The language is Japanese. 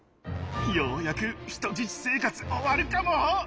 ようやく人質生活終わるかも！